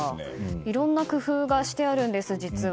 いろいろな工夫がしてあるんです、実は。